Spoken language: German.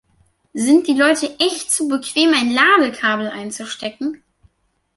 Sind die Leute echt zu bequem, ein Ladekabel einzustecken?